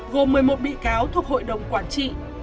gồm một mươi một bị cáo thuộc hội đồng quản trị